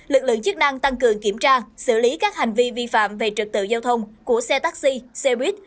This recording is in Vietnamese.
lực lượng chức năng tăng cường kiểm tra xử lý các hành vi vi phạm về trực tự giao thông của xe taxi xe buýt